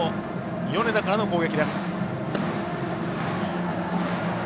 米田からの攻撃。